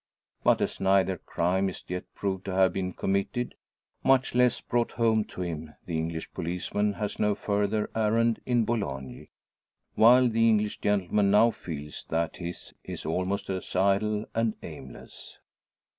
But as neither crime is yet proved to have been committed, much less brought home to him, the English policeman has no further errand in Boulogne while the English gentleman now feels that his is almost as idle and aimless.